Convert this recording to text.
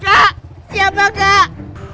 kak siapa kak